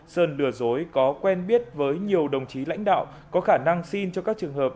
sơn lừa dối có quen biết với nhiều đồng chí lãnh đạo có khả năng xin cho các trường hợp